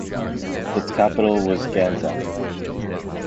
Its capital was Ganzak.